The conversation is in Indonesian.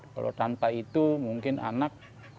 kalau tanpa itu mungkin anak